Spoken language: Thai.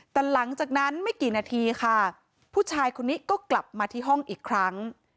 แต่หลังจากนั้นไม่กี่นาทีค่ะผู้ชายคนนี้ก็กลับมาที่ห้องอีกครั้ง